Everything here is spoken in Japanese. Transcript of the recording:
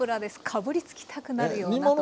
かぶりつきたくなるようなという。